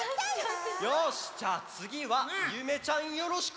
よしじゃあつぎはゆめちゃんよろしく！